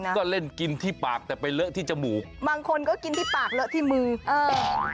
ก็เล่นกินที่ปากแต่ไปเลอะที่จมูกบางคนก็กินที่ปากเลอะที่มือเออ